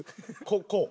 こう。